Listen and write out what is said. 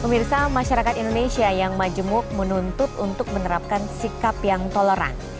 pemirsa masyarakat indonesia yang majemuk menuntut untuk menerapkan sikap yang toleran